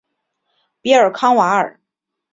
比尔康瓦尔。